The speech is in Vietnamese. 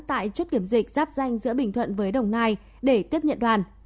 tại chốt kiểm dịch giáp danh giữa bình thuận với đồng nai để tiếp nhận đoàn